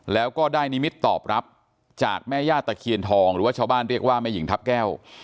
แล้วก็ได้นิมิตตอบรับจากแม่ย่าตะเคียนทองหรือว่าชาวบ้านเรียกว่าแม่หญิงทัพแก้ว